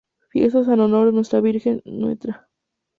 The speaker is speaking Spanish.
Fiestas en Honor a nuestra Virgen Ntra.